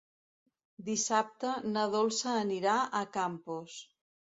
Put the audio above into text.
Dissabte na Dolça anirà a Campos.